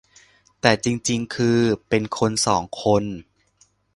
แต่จริงจริงคือเป็นคนสองคน